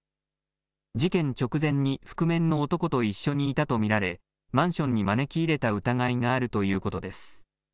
事件直前に覆面の男と一緒にいたと見られ、マンションに招き入れた疑いがあるということです。